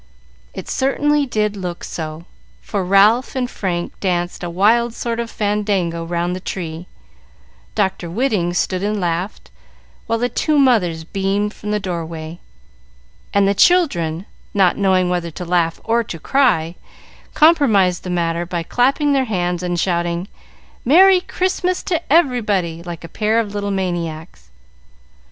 It certainly did look so, for Ralph and Frank danced a wild sort of fandango round the tree, Dr. Whiting stood and laughed, while the two mothers beamed from the door way, and the children, not knowing whether to laugh or to cry, compromised the matter by clapping their hands and shouting, "Merry Christmas to everybody!" like a pair of little maniacs.